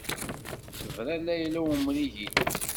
Tebra Layla i umrig-nnes.